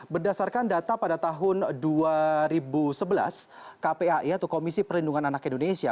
berdasarkan data pada tahun dua ribu sebelas kpai atau komisi perlindungan anak indonesia